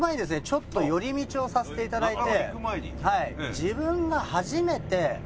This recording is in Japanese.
ちょっと寄り道をさせていただいて。